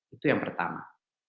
itu yang pertama